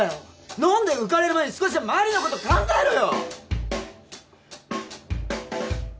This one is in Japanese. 飲んで浮かれる前に少しは周りのことも考えろよ！